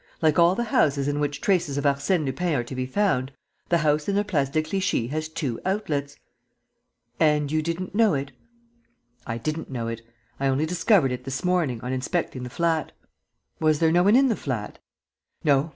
Like all the houses in which traces of Arsène Lupin are to be found, the house in the Place de Clichy has two outlets." "And you didn't know it?" "I didn't know it. I only discovered it this morning, on inspecting the flat." "Was there no one in the flat?" "No.